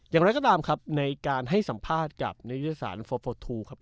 อย่างนั้นก็ตามครับในการให้สัมภาษณ์กับนักยุทธศาสตร์๔๔๒ครับ